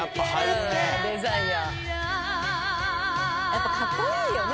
やっぱかっこいいよね